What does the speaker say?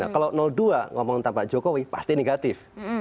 kalau dua ngomong tentang pak jokowi pasti negatif